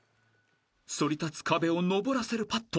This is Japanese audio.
［そり立つ壁を上らせるパット］